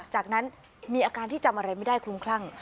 จากนั้นมีอาการที่จำอะไรไม่ได้คลุ้มคลั่ง